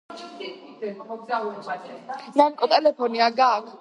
სიმღერის ავტორია როჯერ ტეილორი.